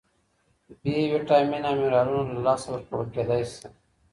بی ویټامین او منرالونه له لاسه ورکول کېدای شي.